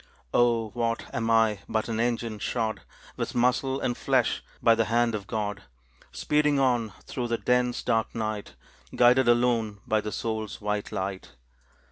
Oh, what am I but an engine, shod With muscle and flesh, by the hand of God, Speeding on through the dense, dark night, Guided alone by the soul's white light.